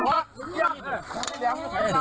โอ้โห